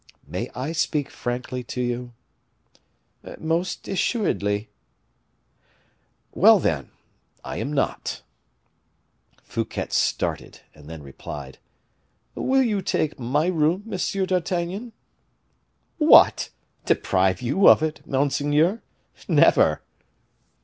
"My I speak frankly to you?" "Most assuredly." "Well, then, I am not." Fouquet started; and then replied, "Will you take my room, Monsieur d'Artagnan?" "What! deprive you of it, monseigneur? never!"